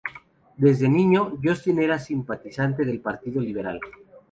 Desde niño, Justin era simpatizante del Partido Liberal.